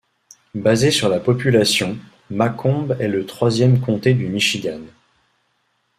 Basé sur la population, Macomb est le troisième comté du Michigan.